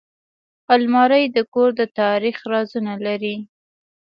الماري د کور د تاریخ رازونه لري